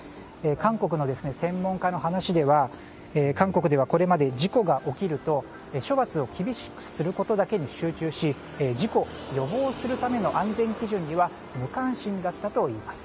韓国の専門家の話では韓国ではこれまで事故が起きると処罰を厳しくすることだけに集中し事故を予防するための安全基準には無関心だったといいます。